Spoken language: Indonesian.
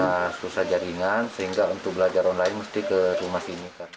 karena susah jaringan sehingga untuk belajar online mesti ke rumah sini